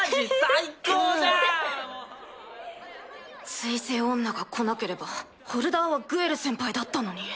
水星女が来なければホルダーはグエル先輩だったのに。